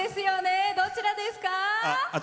どちらですか？